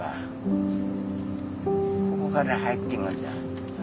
ここから入ってくんだ。